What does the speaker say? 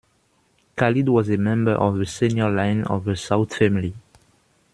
Khalid was a member of the senior line of the Saud family.